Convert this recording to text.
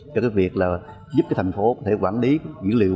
cho việc giúp thành phố quản lý dữ liệu